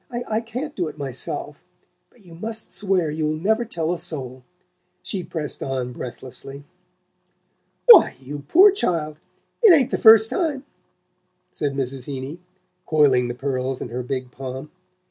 I can't do it myself but you must swear you'll never tell a soul," she pressed on breathlessly. "Why, you poor child it ain't the first time," said Mrs. Heeny, coiling the pearls in her big palm.